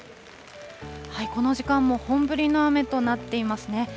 この時間も本降りの雨となっていますね。